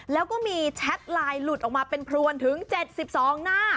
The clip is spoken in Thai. แล้วก็มีแชทไลน์หลุดออกมาเป็นพรวนถึง๗๒หน้า